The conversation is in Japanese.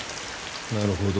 なるほど。